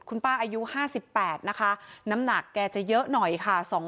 คุณป้าอายุ๕๘นะคะน้ำหนักแกจะเยอะหน่อยค่ะ